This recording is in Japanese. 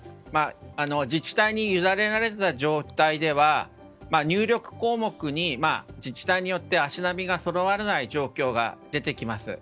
自治体にゆだねられた状態では入力項目に自治体によって足並みがそろわない状況が出てきます。